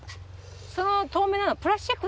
その透明なのはプラスチック？